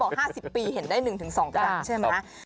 บอก๕๐ปีเห็นได้๑๒ประตาใช่ไหมครับ